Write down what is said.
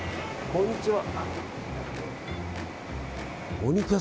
こんにちは。